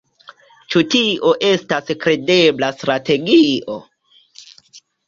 Ĉu tio estas kredebla strategio?